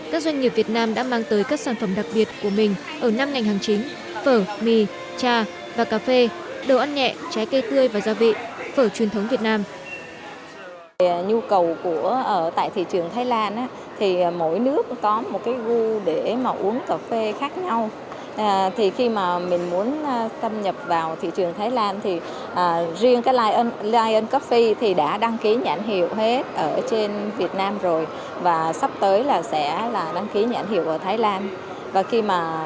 các doanh nghiệp việt nam đã mang tới các sản phẩm đặc biệt của mình ở năm ngành hàng chính phở mì trà và cà phê đồ ăn nhẹ trái cây tươi và gia vị